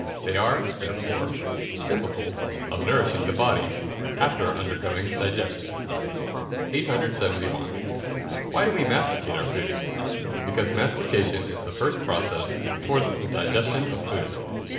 They are, therefore, capable of nourishing the body, after undergoing digestion. 871. Why do we masticate our food? Because mastication is the first process towards the digestion of food.